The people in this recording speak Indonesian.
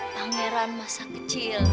pangeran masa kecil